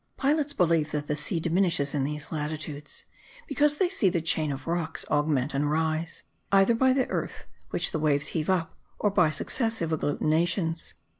Pilots believe that the sea diminishes in these latitudes, because they see the chain of rocks augment and rise, either by the earth which the waves heave up, or by successive agglutinations.